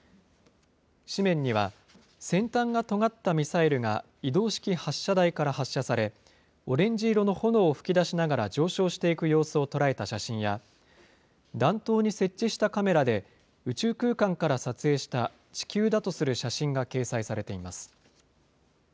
紙面には先端がとがったミサイルが移動式発射台から発射され、オレンジ色の炎を噴き出しながら、上昇していく様子を捉えた写真や、弾頭に設置したカメラで、宇宙空間から撮影した地球だとする写真が掲載されています。